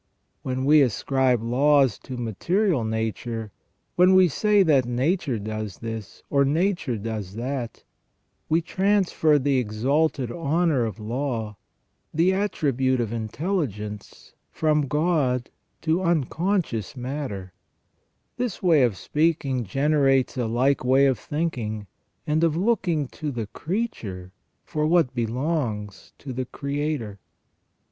When we ascribe laws to material nature ; when we say that nature does this, or nature does that, we transfer the exalted honour of law, the attribute of intelligence, from God to unconscious matter ; this way of speaking generates a like way of thinking, and of looking to the creature for what belongs to the Creator.